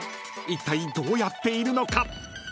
いったいどうやっているのか？］